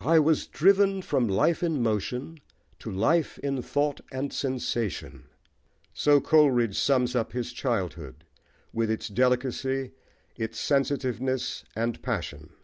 "I was driven from life in motion to life in thought and sensation:" so Coleridge sums up his childhood, with its delicacy, its sensitiveness, and passion.